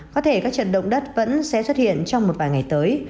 có thể các trận động đất vẫn sẽ xuất hiện trong một vài ngày tới